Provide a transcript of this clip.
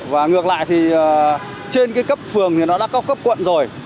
và ngược lại thì trên cái cấp phường thì nó đã có cấp quận rồi